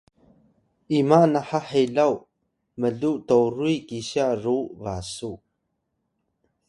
ima naha helaw mluw toruy kisya ru basu?